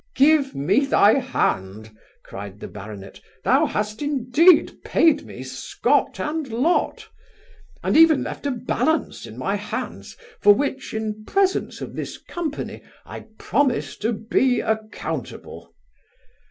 'Give me thy hand (cried the baronet); thou hast indeed payed me Scot and lot; and even left a balance in my hands, for which, in presence of this company, I promise to be accountable.